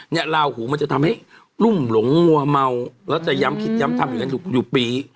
ลาหูมันจะทำให้รุ่มหลงมัวเมาแล้วจะย้ำคิดย้ำทำอยู่กันอยู่ปี